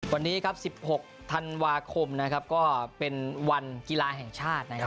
วันนี้ครับ๑๖ธันวาคมนะครับก็เป็นวันกีฬาแห่งชาตินะครับ